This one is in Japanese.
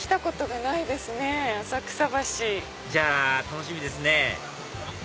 じゃあ楽しみですね